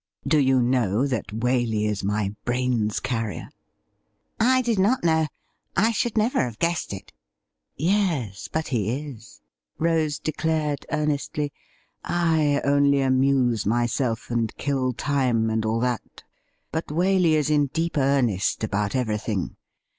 Do you know that Waley is my brains carrier ?' I did not know ; I should never have guessed it.' ' Yes, but he is,' Rose declared earnestly. ' I only amuse myself and kill time, and all that, but Waley is in deep earnest about everything.